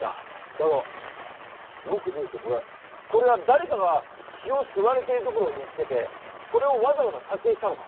だがよく見るとこれこれは誰かが血を吸われているところを見つけてそれをわざわざ撮影したのか？